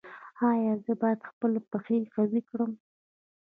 ایا زه باید خپل پښې قوي کړم؟